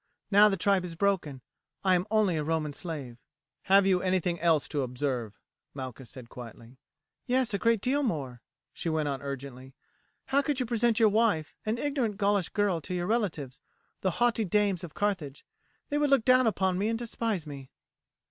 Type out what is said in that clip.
Now the tribe is broken, I am only a Roman slave." "Have you anything else to observe?" Malchus said quietly. "Yes, a great deal more," she went on urgently. "How could you present your wife, an ignorant Gaulish girl, to your relatives, the haughty dames of Carthage? They would look down upon me and despise me."